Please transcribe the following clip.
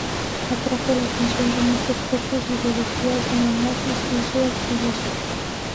Atrajo la atención de muchos por sus ideologías neonazis y su activismo.